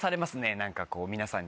何かこう皆さんに。